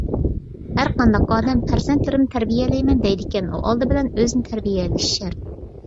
ھەرقانداق ئادەم پەرزەنتلىرىمنى تەربىيەلەيمەن دەيدىكەن، ئۇ ئالدى بىلەن ئۆزىنى تەربىيەلىشى شەرت.